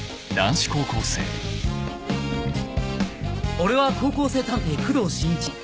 俺は高校生探偵工藤新一